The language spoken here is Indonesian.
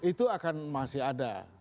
itu akan masih ada